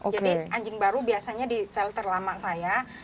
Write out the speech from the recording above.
jadi anjing baru biasanya di shelter lama saya